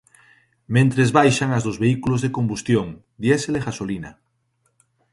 Mentres baixan as dos vehículos de combustión, diésel e gasolina.